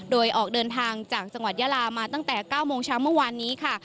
โดยออกเดินทางจากจังหวัดยาลามาตั้งแต่๙โมงเช้าเมื่อวานนี้ค่ะ